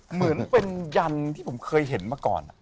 เหมือนเป็นยันที่ผมเคยเห็นมาก่อน